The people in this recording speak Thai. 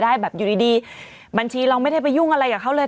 แบบอยู่ดีบัญชีเราไม่ได้ไปยุ่งอะไรกับเขาเลย